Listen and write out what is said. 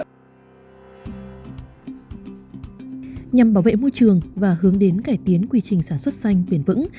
nhằm bảo vệ môi trường và hướng đến cải tiến quy trình sản xuất xanh bền vững